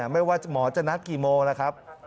ไม่ว่าหมอจะนัดกี่โมงนะครับ